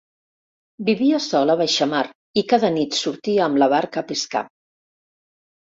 Vivia sol a baixamar i cada nit sortia amb la barca a pescar.